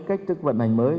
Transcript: cách thức vận hành mới